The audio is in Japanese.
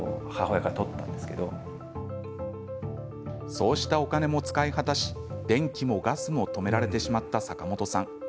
そうしたお金も使い果たし電気もガスも止められてしまった坂本さん。